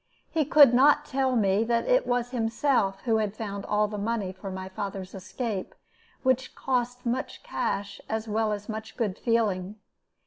He could not tell me that it was himself who had found all the money for my father's escape, which cost much cash as well as much good feeling.